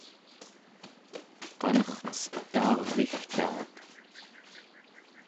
qanercetaarvigtaat